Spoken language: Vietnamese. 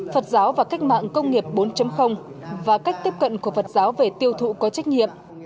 phật giáo và cách mạng công nghiệp bốn và cách tiếp cận của phật giáo về tiêu thụ có trách nhiệm